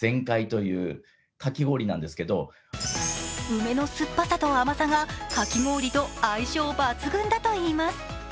梅の酸っぱさと甘さがかき氷と相性抜群だといいます。